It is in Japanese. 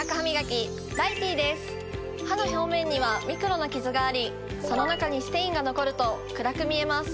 歯の表面にはミクロなキズがありその中にステインが残ると暗く見えます。